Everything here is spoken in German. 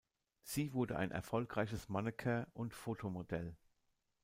Sie wurde ein erfolgreiches Mannequin und Fotomodell.